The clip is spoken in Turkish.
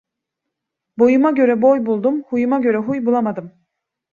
Boyuma göre boy buldum, huyuma göre huy bulamadım.